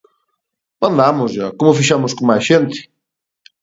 Mandámoslla, como o fixemos con máis xente.